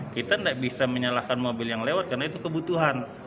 kita tidak bisa menyalahkan mobil yang lewat karena itu kebutuhan